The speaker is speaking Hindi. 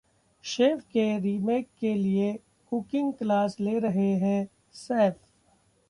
'शेफ' के रीमेक के लिए कुकिंग क्लास ले रहे हैं सैफ